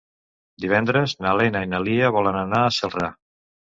Divendres na Lena i na Lia volen anar a Celrà.